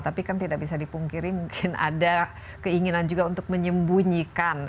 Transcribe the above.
tapi kan tidak bisa dipungkiri mungkin ada keinginan juga untuk menyembunyikan